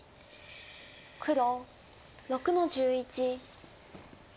黒６の十一。